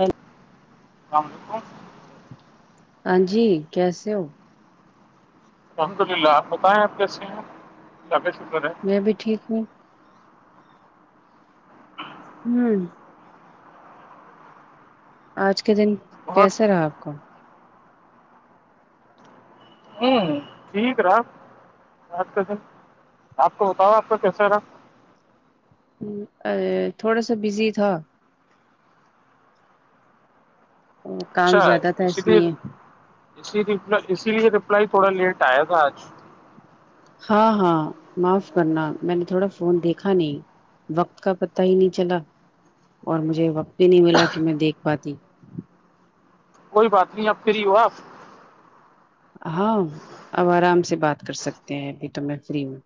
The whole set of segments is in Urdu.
ہیلو اللام علیکم ہاں جی کیسے ہو الحمد للہ آپ بتائیں آپ کیسے ہیں طبیت شکر ہے میں بھی ٹھیک ہوں ہمم آج کے دن بہت کیسے رہا آپ کو ہمم ٹھیک رہا آج کا دن آپ کو بتاؤ آپ کا کیسا رہا ہمم اے تھوڑا سا بزی تھا اور کام اچھا زیادہ تھا اسی اس لیے اسی ر اسی لیے رپلائی تھوڑا لیٹ آئے تھا آج ہاں ہاں معاف کرنا میں نے تھوڑا فون دیکھا نہیں وقت کا پتا ہی نہیں چلا اور مجھے وقت بھی نہیں ملا کہ میں دیکھ پاتی کوئی بات نہیں آپ فری ہو آپ ہاں اب آرام سے بات کر سکتے ہیں ابھی تو میں فری ہوں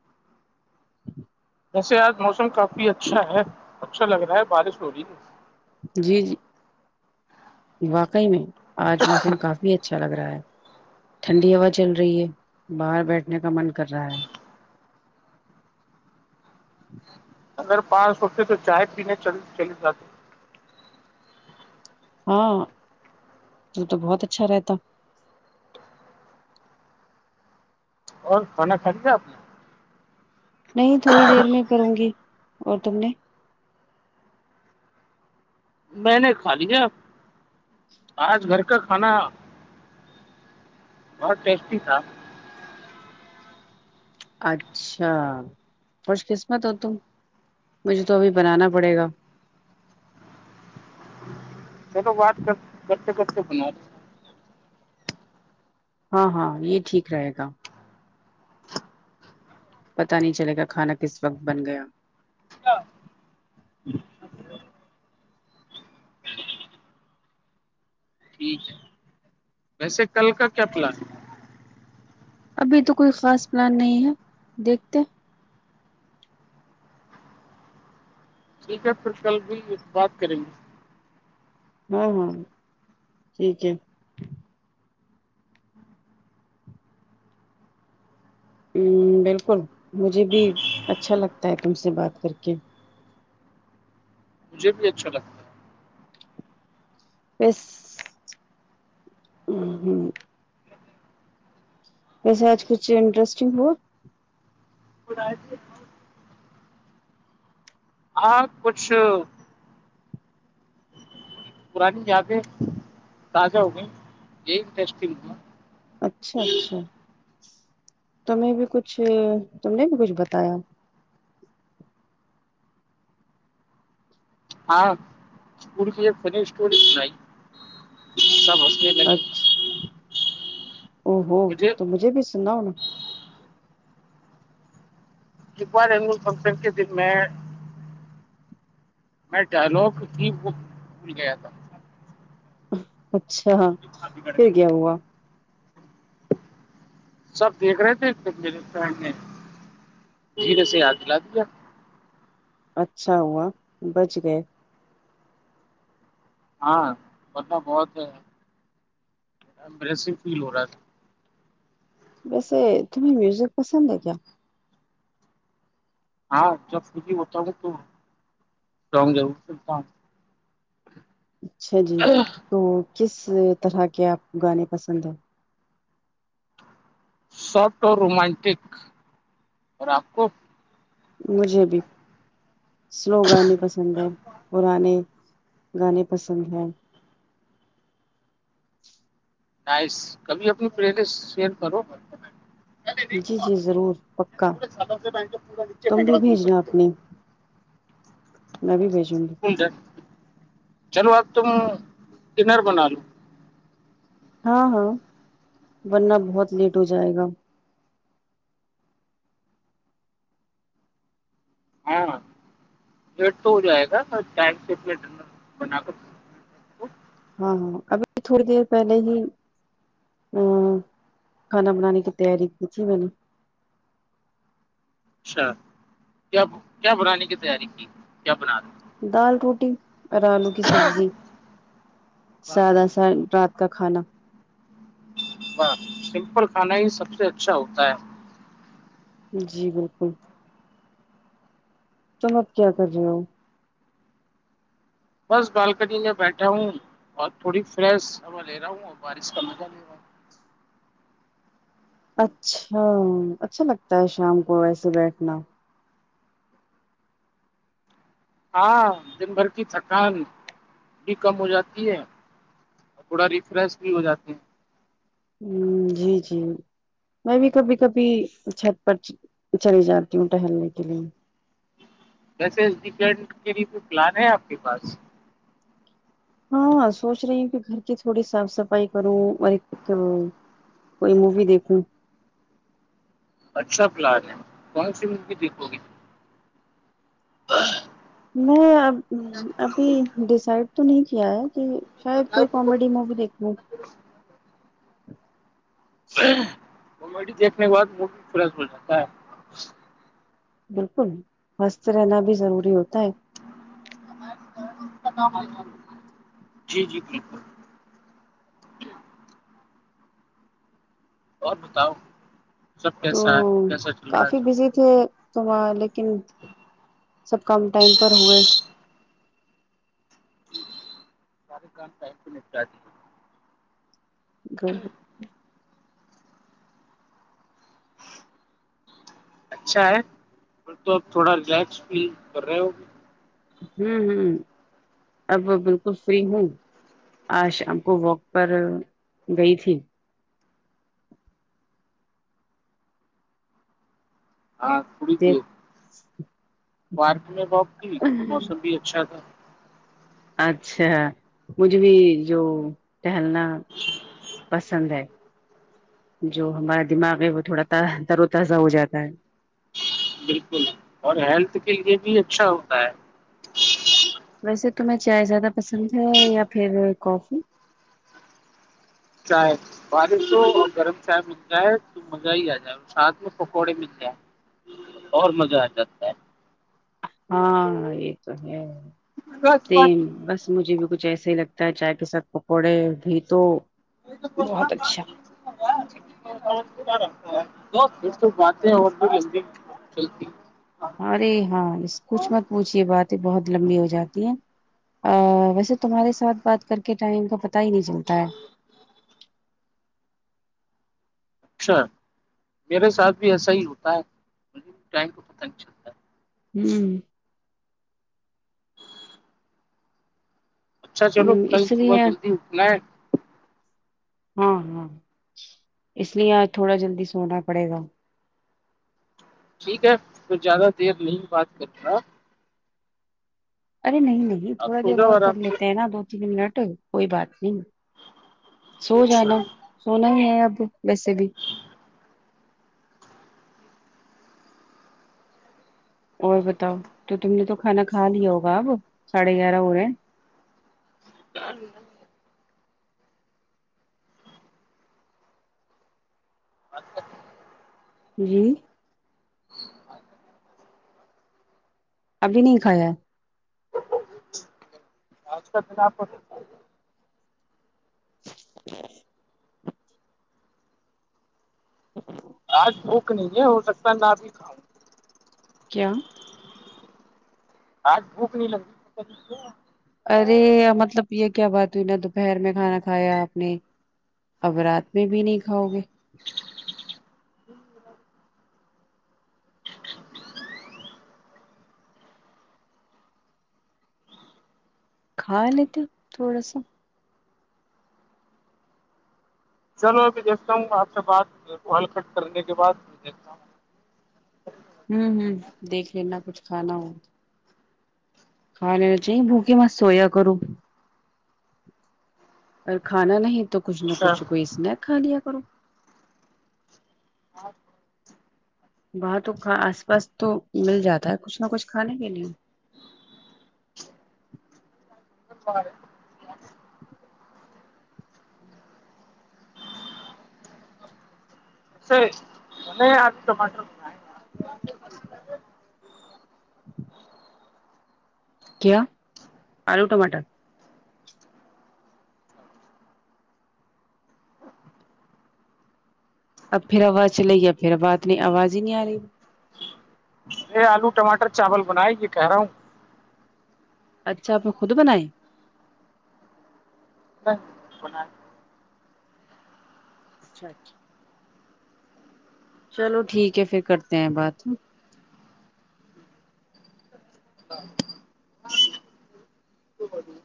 ویسے آج موسم کافی اچھا ہے اچھا لگ رہا ہے بارش ہو رہی ہے جی جی واقعی میں آج موسم کافی اچھا لگ رہا ہے ٹھنڈی ہوا چل رہی ہے باہر بیٹھنے کا من کر رہا ہے اگر پاس ہوتے تو چائے پینے چل چلے جاتے ہاں تو تو بہت اچھا رہتا اور کھانا کھا لیا آپ نے نہیں تھوڑی دیر میں کروں گی اور تم نے میں نے کھا لیا آج گھر کا کھانا بہت ٹیسٹی تھا اچھا خوش قسمت ہو تم مجھے تو ابھی بنانا پڑے گا چلو بات کر کرتے کرتے بناو ہاں ہاں یہ ٹھیک رہے گا پتا نہیں چلے گا کھانا کس وقت بن گیا لیں۔ ٹھیک ہے ویسے کل کا کیا پلان ہے ابھی تو کوئی خاص پلان نہیں ہے دیکھتے ٹھیک ہے پھر کل بھی بات کریں گے ہاں ہاں ٹھیک ہے ہمم بالکل مجھے بھی اچھا لگتا ہے تم سے بات کر کے مجھے بھی اچھا لگتا بس ھمم ھمم ویسے آج کچھ انٹرسٹنگ ہوا باج [unintelligible] اور کچھ پرانی یادیں تازہ ہو گئی یہی انٹرسٹنگ ہوا اچھا اچھا تمہیں بھی کچھ تم نے بھی کچھ بتایا ہاں اسکول کی ایک فنی اسٹوری سنائی سب ہستہ اچھا او ہو تو مجھے بھی سناو نا ایک بار اینول فنکشن کے دن میں میں ڈائیلاگ کی بک بھول گیا تھا اچھا پھر کیا ہوا سب دیکھ رہے تھے پھر میرے فرینڈ نے دھیرے سے یاد دلا دیا اچھا ہوا بچ گئے ہاں ورنہ بہت امپرسیو فیل ہو رہا تھا ویسے تمہیں میوزک پسند ہے کیا ہاں جب فری ہوتا ہوں تو سونگ ضرور سنتا ہوں اچھا جی تو کس طرح کے آپ کو گانے پسند ہیں سوفٹ اور رومنٹک اور اپ کو مجھے بھی سلو گانے پسند پسند ہے پرانے گانے پسند ہیں نایس کبھی اپنی پر اٹ یسی شئیر کرو جی جی ضرور پکا پورے سالوں سے میں پورا نیچے تم بھی پھینکنا شروع کر بھیجنا دیا اپنی میں بھی بھیجوں گی چلو اب تم ڈنر بنا لو ہاں ہاں ورنہ بہت لیٹ ہو جائے گا ہاں لیٹ تو ہو جائے گا ٹائم سے ڈ نر بنا کر ہاں ہاں ابھی تھوڑی دیر پہلے ہی ہ کھانا بنانے کی تیاری کی تھی میں نے اچھا کیا کیا بنانے کی تیاری کی کیا بنا رہے دال روٹی اور آلو کی سبزی واہ سادہ سر رات کا کھانا واہ سمپل کھانا ہی سب سے اچھا ہوتا ہے جی بالکل تم اب کیا کر رہی ہو بس بالکنی میں بیٹھا ہوں اور تھوڑی فریش ہوا لے رہا ہوں اور بارش کا مزہ لے رہا ہو اچھا اچھا لگتا ہے شام کو ویسے بیٹھنا ہاں دن بھر کی تھکان بھی کم ہو جاتی ہے تھوڑا ریفریش بھی ہو جاتے ہیں ہ جی جی میں بھی کبھی کبھی چھت پٹ پر چلی جاتی ہوں ٹہلنے کے لیے ویسے ڈ کے لیے کوئی پلان ہے آپ کے پاس ہاں سوچ رہی ہوں کہ گھر کی تھوڑی صاف صفائی کروں اور ایک کوئی مووی دیکھوں اچھا پلان ہے کون سی مووی دیکھوگی ہ میں اب ابھی ڈیسائڈ تو نہیں کیا ہے کہ شاید کوئی کامیڈی موی دیکھنا کامیڈی دیکھنے کے بعد منڈھ فریش ہو جاتا ہے بالکل سوستھ رہنا بھی ضروری ہوتا ہے جی جی بالکل اور بتاؤ سب کیسا ہے کیسا چل رہا ہے س تھ تو وہاں لیکن سب کم ٹائم پر ہوئے سارے کام ٹائم پہ نپٹاتی ہو گر اچھا ہے پر تو اپ تھوڑا ریلیکس فیل کر رہے ہوے ہوں ہوں اب بالکل فری ہوں آج شام کو واک پر گئی تھی دیکھ [unintelligible] پارک میں واگا ک تھی موسم بھی اچھا تھا اچھا مجھ بھی جو ٹہلنا پسند ہے جو ہمارا دماغ ہے وہ تھوڑا ترو تازہ ہو جاتا ہے بالکل اور ہیلتھ کے لیے بھی اچھا ہوتا ہے ویسے تمہیں چائے زیادہ پسند ہے یا پھر کافی چائے بارش ہو اور گرم چائے مل جائے تو مزہ ہی آ جائے ساتھ میں پکوڑے مل جائے اور مزہ آ جاتا ہے ہاں یہ تو ہے پھر سیم بس مجھے بھی کچھ ایسا ہی لگتا ہے چائے کے ساتھ پکوڑے بھی تو بہت اچھا [unintelligible] پھر تو باتیں اور بھی جلدی چلتی ارے ہاں اس کچھ مت پوچھیے باتیں بہت لمبی ہو جاتی ہیں ا ویسے تمہارے ساتھ بات کر کے ٹائم کا پتا ہی نہیں چلتا ہے ر میرے ساتھ بھی ایسا ہی ہوتا ہے مجھے ٹم پتن ہوں اچھا چلو ہم، کل اس صبح لیے جلدی اٹھنا ہے ہاں ہاں اس لیے آج تھوڑا جلدی سونا پڑے گا ٹھیک ہے تو زیادہ دیر نہیں بات کر رہا ارے نہیں نہیں آپ تھوڑا سو دیر جاؤ اور کر آرام سے لیتے ہیں نا دو تین منٹ کوئی بات نہیں سو اچھا جانا سونا ہی ہے اب ویسے بھی اور بتاؤ تو تم نے تو کھانا کھا لیا ہوگا اب ساڑھے گیارہ ہو رہے ہیں [unintelligible] [unintelligible] جی ابھی نہیں کھیا [inaudible] آج بھوک نہیں ہے ہو سکتا نہ بھی کھاؤں کیا آج بھوک نہیں لگ ارے مطلب یہ کیا بات ہوئی نا دوپہر میں کھانا کھایا آپ نے اب رات میں بھی نہیں کھاؤ گے کھا لیتے تھوڑا سا چلو میںبھی دیکھتا ہوں آپ سے بات کو ہلکٹ کرنے کے بعد دیکھتا ہوں ہوں ہوں دیکھ لینا کچھ کھانا ہو کھل چاہیے بھکے ما سویا کرو ا کھانا نہیں تو کچھ نہ اچھا کچھ کوئی اسنیک کھا لیا کرو ہاں وہاں تو کا آس پاس تو مل جاتا ہے کچھ نہ کچھ کھانے کے لیے [unintelligible] سی میں آپ تومٹر کیا آلو ٹماٹر اب پھر آواز چل ہے پھروات نہیں آواز ہی نہیں آ رہی یہ آلو ٹماٹر چاول بنائے یہ کہہ رہا ہوں اچھا آپ نے خود بائے [inaudible] اچھا اچھا چلو ٹھیک ہے پھر کرتے ہیں بات ہ